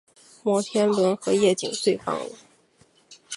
摩天轮和夜景最棒了